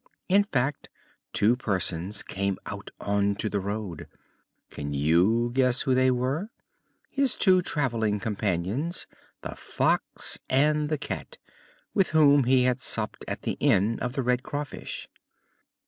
In fact, two persons came out on to the road. Can you guess who they were? His two traveling companions, the Fox and the Cat, with whom he had supped at the inn of The Red Craw Fish.